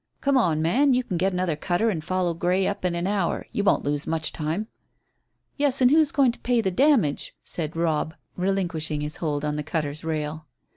Come on, man; you can get another cutter and follow Grey up in an hour. You won't lose much time." "Yes, and who's going to pay the damage?" said Robb, relinquishing his hold on the cutter's rail.